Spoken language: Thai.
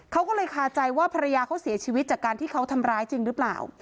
เขาก็เลยคาใจว่าภรรยาเขาเสียชีวิตจากการที่เขาทำร้ายจริงหรือเปล่า